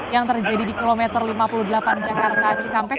yang terjadi di kilometer lima puluh delapan jakarta cikampek